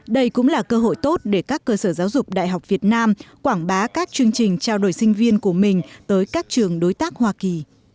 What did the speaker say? đây cũng là cơ hội tốt để các cơ sở giáo dục đại học việt nam quảng bá các chương trình trao đổi sinh viên của mình tới các trường đối tác hoa kỳ